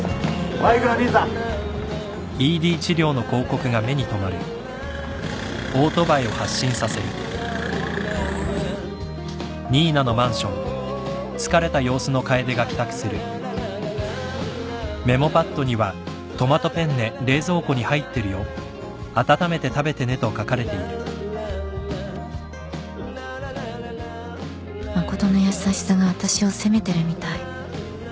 誠の優しさが私を責めてるみたい